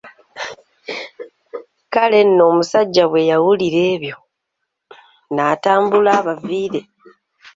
Kale nno omusajja bwe yawulira ebyo n'atambula abaviire.